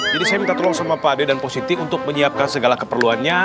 jadi saya minta tolong sama pak ade dan pak positif untuk menyiapkan segala keperluannya